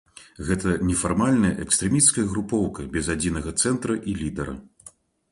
Гэта нефармальная экстрэмісцкая групоўка без адзінага цэнтра і лідара.